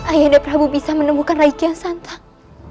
ayah nda prabu bisa menemukan raimu kian santang